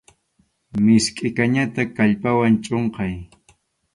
Miskʼi kañata kallpawan chʼunqay.